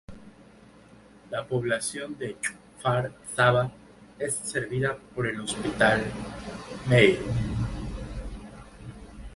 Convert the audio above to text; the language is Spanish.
La población de Kfar Sava es servida por el Hospital Meir.